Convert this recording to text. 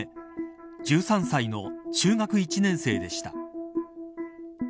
１３歳の中学１年生でした。